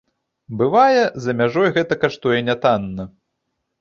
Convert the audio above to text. Бывае, за мяжой гэта каштуе нятанна.